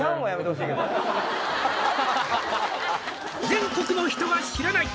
「全国の人が知らない！